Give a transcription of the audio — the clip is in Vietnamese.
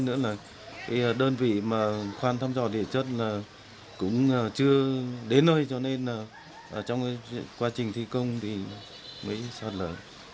quá trình thi công thì mỹ sạt lở